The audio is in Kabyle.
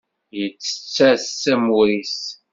Yettett-as amur-is.